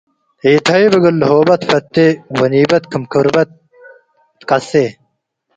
ኢትሀይብ እግል ልሆበ ትፈቴ ወኒበት ክም ክርበት ትቀሴ።